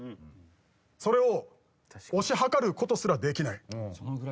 それを推し量る事すらできない。